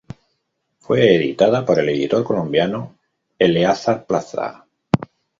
Fue editada por el editor colombiano Eleazar Plaza.